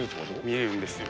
見れるんですよ。